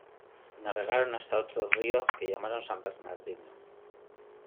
Navegaron hasta otro río que llamaron San Bernardino.